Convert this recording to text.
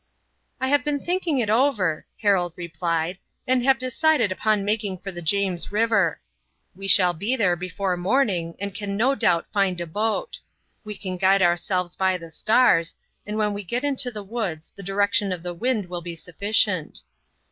"I have been thinking it over," Harold replied, "and have decided on making for the James River. We shall be there before morning and can no doubt find a boat. We can guide ourselves by the stars, and when we get into the woods the direction of the wind will be sufficient."